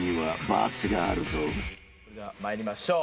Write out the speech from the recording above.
それでは参りましょう。